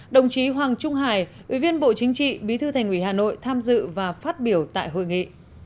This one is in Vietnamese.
đồng chí hoàng trung hải ủy viên bộ chính trị bí thư thành ủy hà nội tham dự và phát biểu tại hội nghị